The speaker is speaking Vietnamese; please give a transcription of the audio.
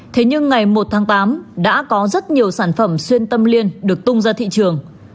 thế nhưng ngày một tháng tám đã có rất nhiều sản phẩm xuyên tâm liên được tung ra thị trường